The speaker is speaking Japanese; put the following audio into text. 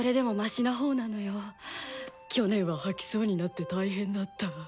去年は吐きそうになって大変だった。